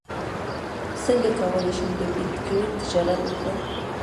څنګه کولی شم د بیتکوین تجارت وکړم